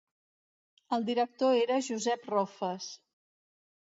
El director era Josep Rofes.